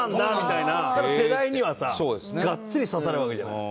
ただ世代にはさがっつり刺さるわけじゃない？